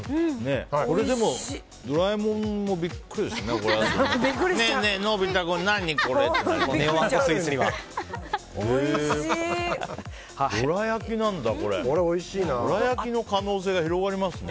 これでもドラえもんもびっくりですね。